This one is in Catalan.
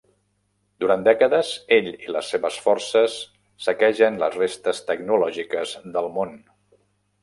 Durant dècades ell i les seves forces saquegen les restes tecnològiques del món.